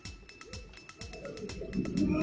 うわ！